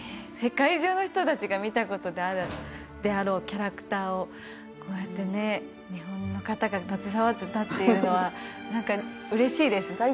世界中の人達が見たことがあるであろうキャラクターをこうやってね日本の方が携わってたっていうのは何か嬉しいです